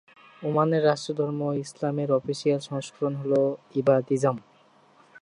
ওমানের রাষ্ট্রধর্ম ইসলামের অফিসিয়াল সংস্করণ হলো ইবাদিজম।